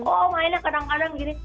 oh main ya kadang kadang gini